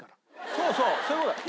そうそうそういう事だよ。